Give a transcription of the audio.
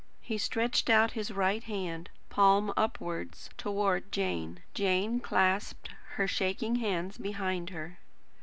He stretched out his right hand, palm upwards, towards Jane. Jane clasped her shaking hands behind her.